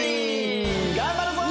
頑張るぞ！